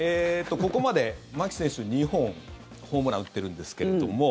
ここまで、牧選手２本、ホームランを打ってるんですけども。